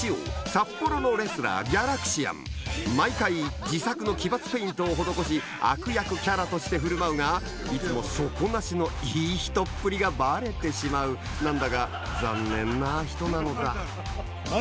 札幌のレスラー毎回自作の奇抜ペイントを施し悪役キャラとして振る舞うがいつも底なしのいい人っぷりがバレてしまう何だか残念な人なのだ何？